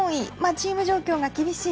チーム状況が厳しい。